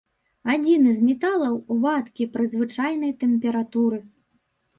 Адзіны з металаў, вадкі пры звычайнай тэмпературы.